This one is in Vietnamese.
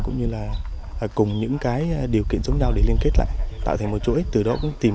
cũng như là cùng những cái điều kiện giống nhau để liên kết lại tạo thành một chuỗi từ đó cũng tìm